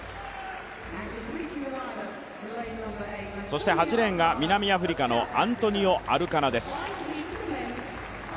そして８レーンが、南アフリカのアントニオ・アルカナです。